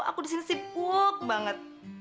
aku di sini sibuk banget